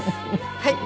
はい。